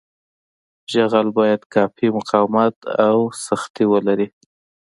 جغل باید کافي مقاومت او سختي ولري